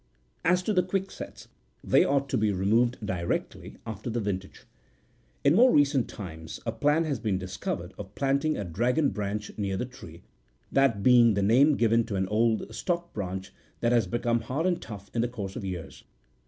As to the quick sets, they ought to be removed directly after the vintage. In more recent times, a plan has been discovered of planting a dragon branch near the tree — that being the name given to an old stock branch that has become hard and tough in the course of years.